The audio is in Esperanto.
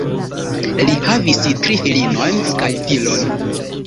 Li havis tri filinojn kaj filon.